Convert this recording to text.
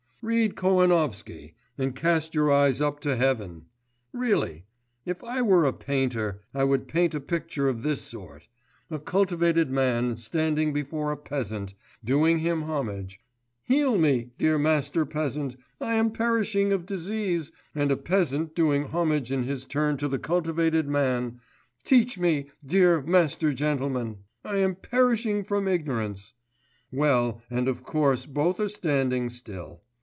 Read Kohanovsky, and cast your eyes up to heaven! Really, if I were a painter, I would paint a picture of this sort: a cultivated man standing before a peasant, doing him homage: heal me, dear master peasant, I am perishing of disease; and a peasant doing homage in his turn to the cultivated man: teach me, dear master gentleman, I am perishing from ignorance. Well, and of course, both are standing still.